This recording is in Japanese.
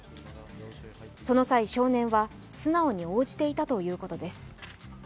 その際、少年は素直に応じていたとのことです。